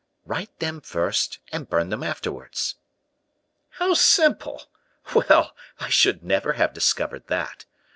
"Write them first and burn them afterwards." "How simple! Well, I should never have discovered that.